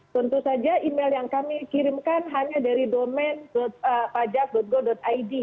tentu saja email yang kami kirimkan hanya dari domain pajak go id